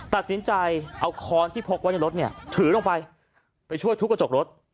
ตัดสินใจเอาค้อนที่พกไว้ในรถเนี่ยถือลงไปไปช่วยทุบกระจกรถ